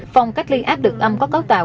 phòng cách ly áp lực âm có cấu tạo